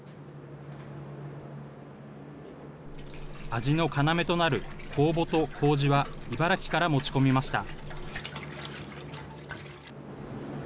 味の要となる酵母とこうじは、茨城から持ち込みました。